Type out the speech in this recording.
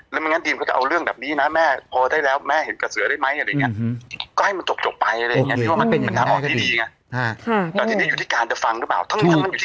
แล้วไม่งั้นทีมก็จะเอาเรื่องแบบนี้นะแม่พอได้แล้วแม่เห็นกับเสือได้ไหมอะไรอย่างนี้